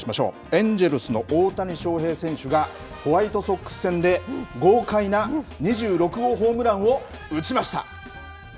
エンジェルスの大谷翔平選手がホワイトソックス戦で豪快な２６号ホームランを打ちました。